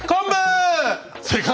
正解！